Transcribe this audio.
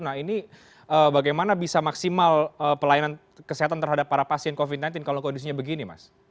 nah ini bagaimana bisa maksimal pelayanan kesehatan terhadap para pasien covid sembilan belas kalau kondisinya begini mas